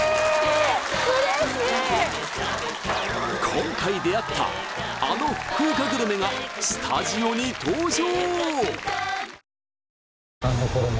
今回出会ったあの福岡グルメがスタジオに登場！